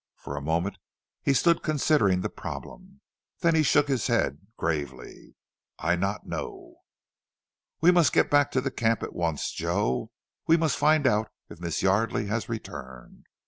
For a moment he stood considering the problem, then he shook his head gravely. "I not know." "We must get back to the camp at once, Joe. We must find out if Miss Yardely has returned.